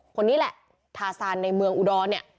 คนนี้แหละทาซานในเมืองอุดรเนี่ย